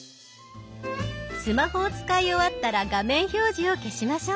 スマホを使い終わったら画面表示を消しましょう。